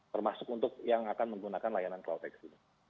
termasuk untuk yang akan menggunakan layanan cloudx ini